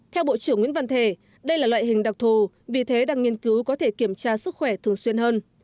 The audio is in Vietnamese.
theo bộ trưởng nguyễn văn thể đây là loại hình đặc thù vì thế đang nghiên cứu có thể kiểm tra sức khỏe thường xuyên hơn